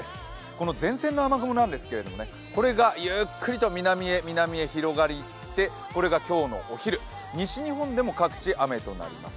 この前線の雨雲もなんですけど、これがゆっくりと南へ南へ広がって、これが今日のお昼、西日本でも各地雨となります。